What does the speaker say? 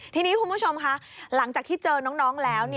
ทีนี้คุณผู้ชมค่ะหลังจากที่เจอน้องแล้ว